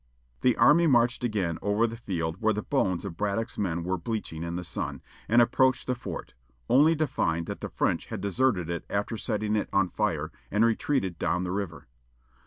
The army marched again over the field where the bones of Braddock's men were bleaching in the sun, and approached the fort, only to find that the French had deserted it after setting it on fire, and retreated down the river.